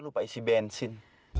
lupa isi bensin